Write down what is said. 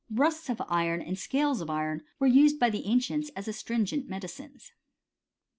: Rust of iron and scales of iron were used by the ancients as astringent medicines. >^.